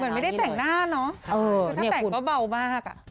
เหมือนไม่ได้แต่งหน้าเนาะถ้าแต่งก็เบามากอะ